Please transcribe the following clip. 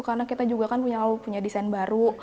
karena kita juga kan selalu punya desain baru